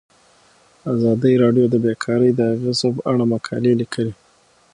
ازادي راډیو د بیکاري د اغیزو په اړه مقالو لیکلي.